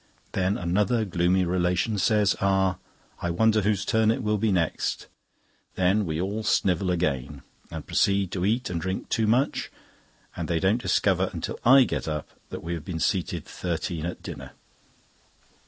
Then another gloomy relation says 'Ah! I wonder whose turn it will be next?' Then we all snivel again, and proceed to eat and drink too much; and they don't discover until I get up that we have been seated thirteen at dinner."